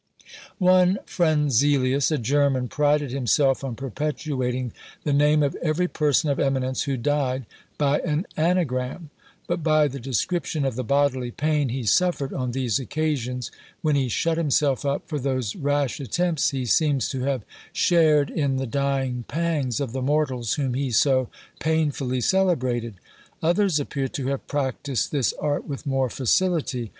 One Frenzelius, a German, prided himself on perpetuating the name of every person of eminence who died by an anagram; but by the description of the bodily pain he suffered on these occasions, when he shut himself up for those rash attempts, he seems to have shared in the dying pangs of the mortals whom he so painfully celebrated. Others appear to have practised this art with more facility.